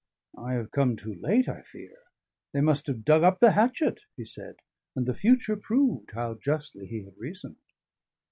"I have come too late, I fear; they must have dug up the hatchet," he said; and the future proved how justly he had reasoned.